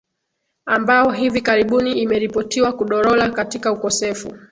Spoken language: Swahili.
ambao hivi karibuni imeripotiwa kudorola katika ukosefu